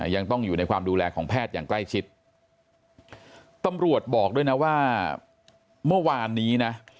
ยังต้องอยู่ในความดูแลของแพทย์อย่างใกล้ชิดตำรวจบอกด้วยนะว่าเมื่อวานนี้นะ